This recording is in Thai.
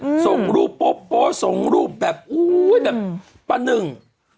อืมส่งรูปโป๊โป๊ส่งรูปแบบอุ้ยแบบปะหนึ่ง